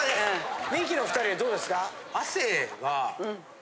ミキの２人はどうですか？